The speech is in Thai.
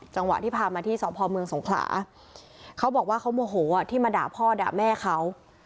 จังหวะที่พามาที่สพเมืองสงขลาเขาบอกว่าเขาโมโหที่มาด่าพ่อด่าแม่เขา